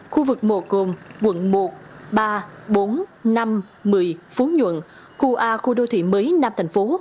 khu vực một gồm quận một ba bốn năm một mươi phú nhuận khu a khu đô thị mới nam thành phố